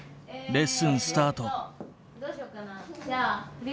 レッスンスタート。